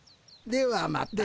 ではまた。